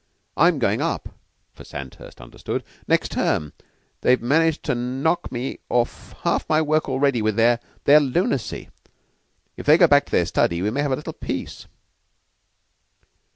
I'm going up (for Sandhurst, understood) next term. They've managed to knock me out of half my work already with their their lunacy. If they go back to their study we may have a little peace."